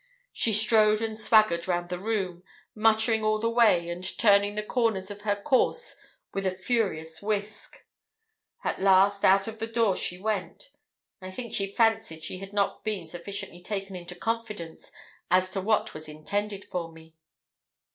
She strode and swaggered round the room, muttering all the way, and turning the corners of her course with a furious whisk. At last, out of the door she went. I think she fancied she had not been sufficiently taken into confidence as to what was intended for me.